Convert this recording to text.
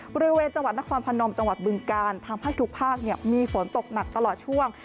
บริเวณจังหวัดนครพนมจังหวัดบึงการทำให้ทุกภาคมีฝนตกหนักตลอดช่วง